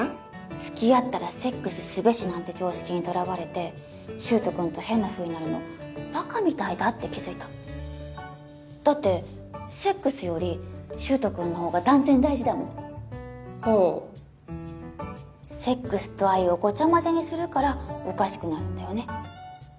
付き合ったらセックスすべしなんて常識にとらわれて柊人君と変なふうになるのバカみたいだって気づいただってセックスより柊人君の方が断然大事だもんほうセックスと愛をごちゃ混ぜにするからおかしくなるんだよね